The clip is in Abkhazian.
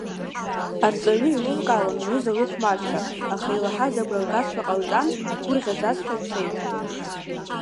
Арҵаҩы еилылкаауан лҩыза лыхәмаршьа, аха илаҳаз агәра лгазшәа ҟалҵан, дгәырӷьаӡазшәа дцеит.